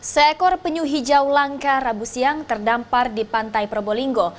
seekor penyu hijau langka rabu siang terdampar di pantai probolinggo